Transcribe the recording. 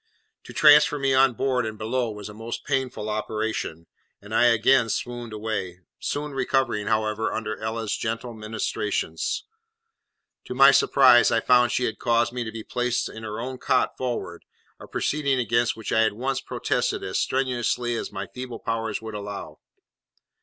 To transfer me on board and below was a most painful operation, and I again swooned away; soon recovering, however, under Ella's gentle ministrations. To my surprise I found she had caused me to be placed in her own cot forward, a proceeding against which I at once protested as strenuously as my feeble powers would allow.